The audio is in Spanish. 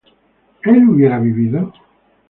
¿él hubiera vivido?